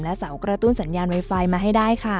และเสากระตุ้นสัญญาณไวไฟมาให้ได้ค่ะ